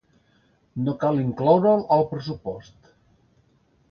No cal incloure’l al pressupost.